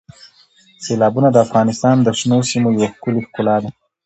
سیلابونه د افغانستان د شنو سیمو یوه ښکلې ښکلا ده.